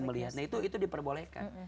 melihat nah itu diperbolehkan